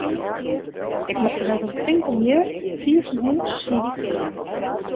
Ik moast der net oan tinke om hjir, fier fan hús, siik te wurden.